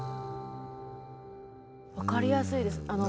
分かりやすいです。